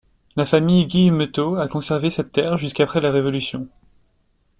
La famille Guillemeteau a conservé cette terre jusqu'après la Révolution.